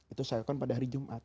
itu saya kan pada hari jumat